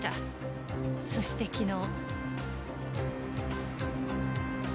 そして昨日。